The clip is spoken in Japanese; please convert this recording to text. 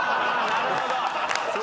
なるほど。